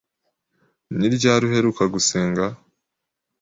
Ni ryari uheruka gusenga?